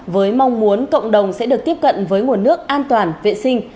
với mong muốn cộng đồng sẽ được tiếp cận với nguồn nước an toàn vệ sinh